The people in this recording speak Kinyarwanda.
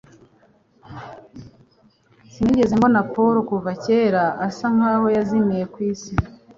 Sinigeze mbona Pawulo kuva kera; asa nkaho yazimiye kwisi